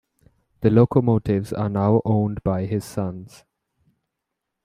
The locomotives are now owned by his sons.